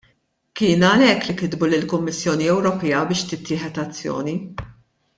Kien għalhekk li kitbu lill-Kummissjoni Ewropea biex tittieħed azzjoni.